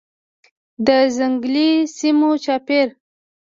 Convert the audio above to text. د ځنګلي سیمو چاپیر